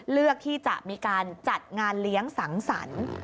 เลือกที่จะมีการจัดงานเลี้ยงสังสรรค์